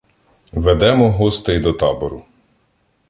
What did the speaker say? Ведемо гостей до табору.